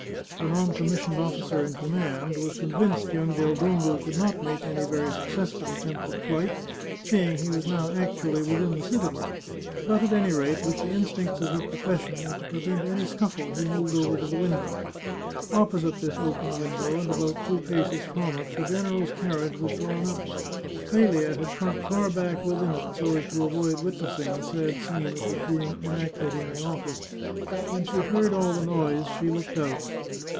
The non com missioned officer in command was convinced young Del Dongo could not make any very successful attempt at flight, seeing he was now actually within the citadel, but at any rate, with the instincts of his profession, and to prevent any scuffle, he moved over to the window. Opposite this open window, and about two paces from it, the general's car riage was drawn up. Clelia had shrunk far back within it, so as to avoid witnessing the sad scene that was being en acted in the office. When she heard all the noise she looked out.